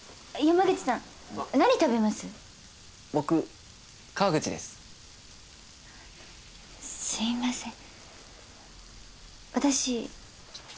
河口さん。